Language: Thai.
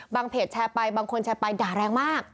บางคนจะไปด่าแรงมาก